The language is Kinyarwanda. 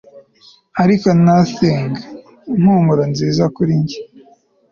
ariko nothin 'impumuro nziza kuri njye